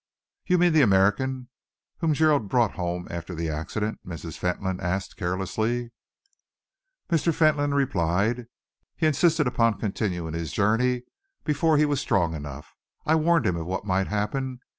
"You mean the American whom Gerald brought home after the accident?" Mrs. Fentolin asked carelessly. Mr. Fentolin replied. "He insisted upon continuing his journey before he was strong enough. I warned him of what might happen.